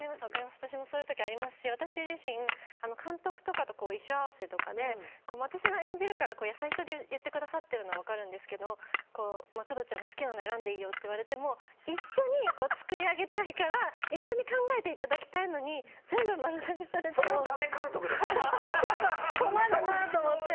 私も、そういう時ありますし私自身も監督とかと衣装合わせとかで私が演じるから優しさで言ってくださってるのは分かるんですけど工藤ちゃんが好きなの選んでいいよって言われても一緒に作り上げたいから一緒に考えていただきたいのにそれはだめ監督だと思う。